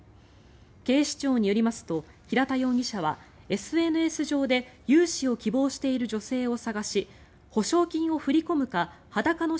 警視庁によりますと平田容疑者はＳＮＳ上で融資を希望している女性を探し